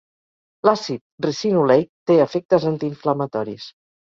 L'àcid ricinoleic té efectes antiinflamatoris.